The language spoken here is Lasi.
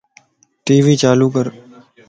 ٽي وي چالو ڪر